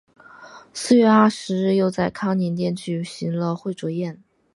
四月二十日又在康宁殿举行了会酌宴。